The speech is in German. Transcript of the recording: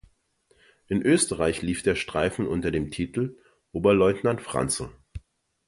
In Österreich lief der Streifen unter dem Titel "Oberleutnant Franzl".